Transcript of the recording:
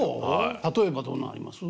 例えばどんなんあります？